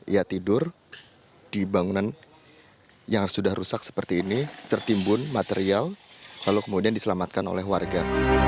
ia tidur di bangunan yang sudah rusak seperti ini tertimbun material lalu kemudian diselamatkan oleh warga